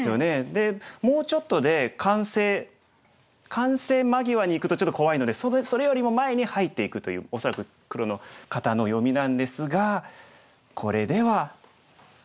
でもうちょっとで完成完成間際にいくとちょっと怖いのでそれよりも前に入っていくという恐らく黒の方の読みなんですがこれでは。